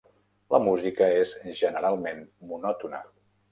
La música és generalment monòtona.